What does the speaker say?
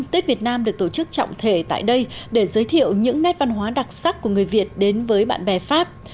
tết việt nam được tổ chức trọng thể tại đây để giới thiệu những nét văn hóa đặc sắc của người việt đến với bạn bè pháp